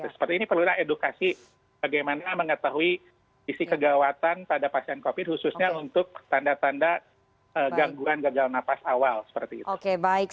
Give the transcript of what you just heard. seperti ini perlulah edukasi bagaimana mengetahui isi kegawatan pada pasien covid khususnya untuk tanda tanda gangguan gagal nafas awal seperti itu